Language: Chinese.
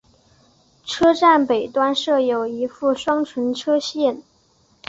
车站北端设有一副双存车线。